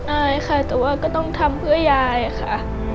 อายค่ะแต่ว่าก็ต้องทำเพื่อยายค่ะ